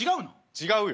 違うよ。